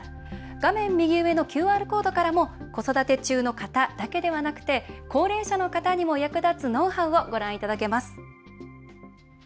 画面右上のＱＲコードからも子育て中の方だけではなくて高齢者の方にも役立つノウハウをご覧いただけます。